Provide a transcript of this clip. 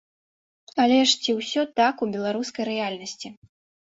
Але ж ці ўсё так у беларускай рэальнасці?